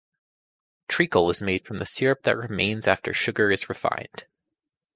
Treacle is made from the syrup that remains after sugar is refined.